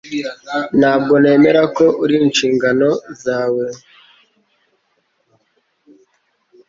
Ntabwo nemera ko uri inshingano zawe